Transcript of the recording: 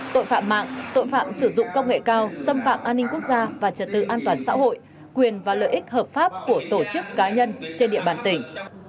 tội phạm mạng tội phạm sử dụng công nghệ cao xâm phạm an ninh quốc gia và trật tự an toàn xã hội quyền và lợi ích hợp pháp của tổ chức cá nhân trên địa bàn tỉnh